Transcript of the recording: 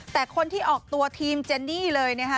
แต่คนที่ออกตัวทีมเจนนี่เลยนะคะ